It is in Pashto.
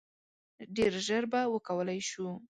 ډیر ژر به وکولای شو.